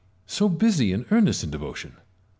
So busy and earnest in devotion !